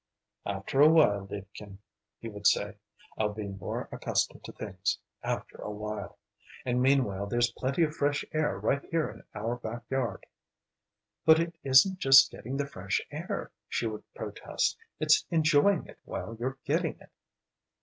"After a while, liebchen," he would say. "I'll be more accustomed to things after a while. And meanwhile there's plenty of fresh air right here in our back yard." "But it isn't just getting the fresh air," she would protest, "it's enjoying it while you're getting it."